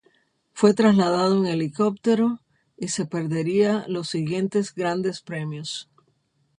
Fue trasladado en helicóptero y se perdería los siguientes Grandes Premios.